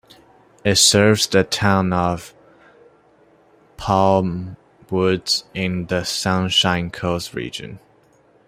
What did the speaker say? It serves the town of Palmwoods in the Sunshine Coast Region.